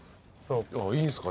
いいんすか？